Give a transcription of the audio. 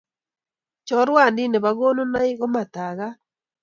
Choruandit nebo konunaik ko matagat